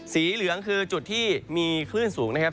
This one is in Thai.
สีเหลืองคือจุดที่มีคลื่นสูงนะครับ